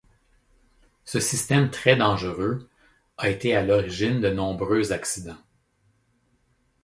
Ce système très dangereux a été à l'origine de nombreux accidents.